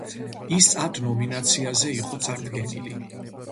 ის ათ ნომინაციაზე იყო წარდგენილი.